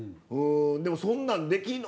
でもそんなんできんの？